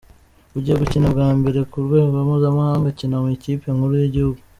ugiye gukina bwa mbere ku rwego mpuzamahanga akina mu ikipe nkuru y’igihugu.